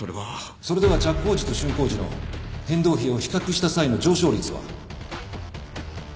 それでは着工時と竣工時の変動費を比較した際の上昇率は？